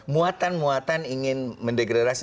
muatan muatan ingin mendegrerasi